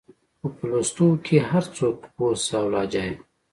خو په لوستو کې هر څوک پوه شه او لهجه يې